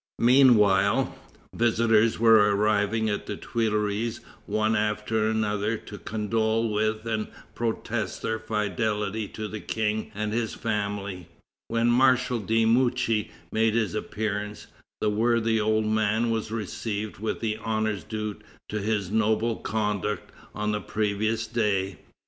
Meanwhile, visitors were arriving at the Tuileries one after another to condole with and protest their fidelity to the King and his family. When Marshal de Mouchy made his appearance, the worthy old man was received with the honors due to his noble conduct on the previous day.